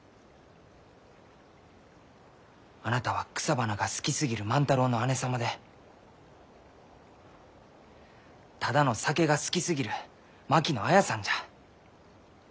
あなたは草花が好きすぎる万太郎の姉様でただの酒が好きすぎる槙野綾さんじゃ。